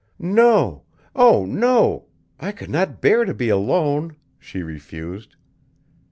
"No! Oh, no! I could not bear to be alone," she refused.